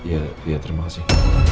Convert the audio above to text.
iya ya terima kasih